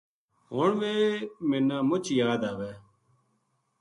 ہن ویہ منا مچ یاد آوے